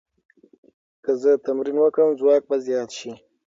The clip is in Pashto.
که زه تمرین وکړم، ځواک به زیات شي.